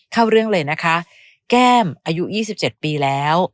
เข้าเรื่องเลยนะคะแก้มอายุ๒๗ปีแล้ว